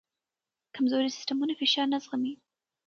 کمزوري سیستمونه فشار نه زغمي.